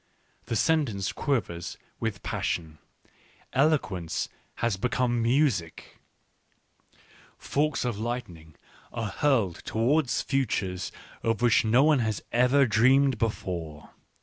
The sentence quivers with passion. Eloquence has become music. Forks of Digitized by Google 108 ECCE HOMO lightning are hurled towards futures of which no one has ever dreamed before.